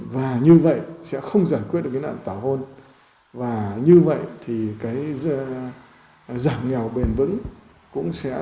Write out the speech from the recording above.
và như vậy sẽ không giải quyết được